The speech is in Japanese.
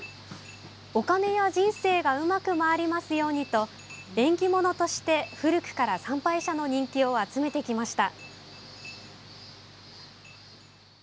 お金や人生がうまく回りますようにと縁起物として、古くから参拝者の人気を集めてきました。